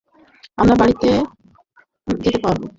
আমরা বাড়িতে যেতে পারব।